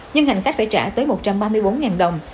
nhưng hành khách phải trả tới một trăm ba mươi bốn đồng